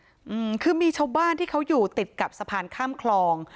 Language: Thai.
อืมคือมีชาวบ้านที่เขาอยู่ติดกับสะพานข้ามคลอง